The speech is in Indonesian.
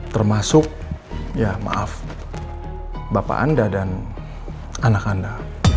termasuk ya maaf bapak anda dan anak anda